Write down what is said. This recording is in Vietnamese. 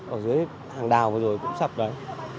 ở dưới hàng đào vừa rồi cũng sập đấy